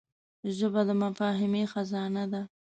ژبه د مفاهمې خزانه ده